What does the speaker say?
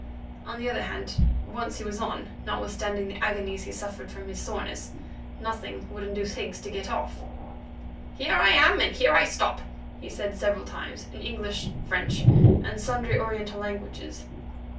On the other hand, once he was on, notwithstanding the agonies he suffered from his soreness, nothing would induce Higgs to get off. "Here I am and here I stop," he said several times, in English, French, and sundry Oriental languages.